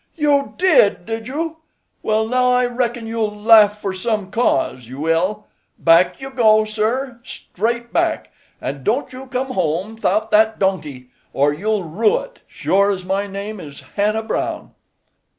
"You did, did you? Well, now, I reckon you'll laugh for some cause, you will. Back you go, sir—straight back; an' don't you come home 'thout that donkey, or you'll rue it, sure as my name is Hannah Brown.